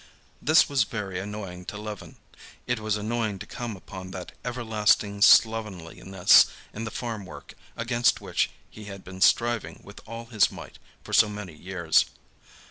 This was very annoying to Levin. It was annoying to come upon that everlasting slovenliness in the farm work against which he had been striving with all his might for so many years.